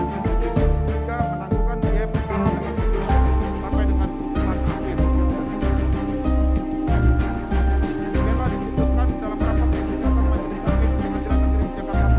empat bn jakarta selatan atas nama terdakwa oleh bn samulisaya sma tersebut di atas